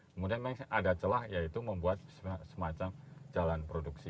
kemudian memang ada celah yaitu membuat semacam jalan produksi